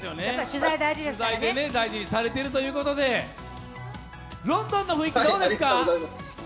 取材で大事にされてるということでロンドンの雰囲気どうですか？